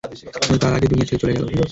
কিন্তু তার আগেই দুনিয়া ছেড়ে চলে গেলো!